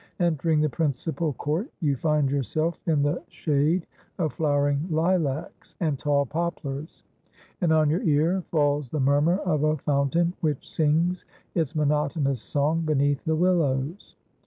Entering the principal court you find yourself in the shade of flowering lilacs and tall poplars, and on your ear falls the murmur of a fountain, which sings its monotonous song beneath the willows.